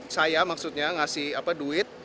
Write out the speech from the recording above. saya maksudnya ngasih duit